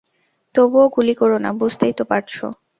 তবুও গুলি কোরো না, বুঝতেই তো পারছো?